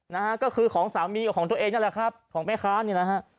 นะฮะก็คือของสามีกับของตัวเองนั่นแหละครับของแม่ค้าเนี่ยนะฮะ